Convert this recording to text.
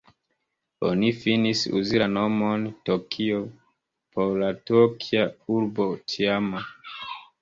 Oni finis uzi la nomon "Tokio" por la Tokia Urbo tiama.